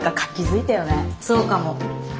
そうかも。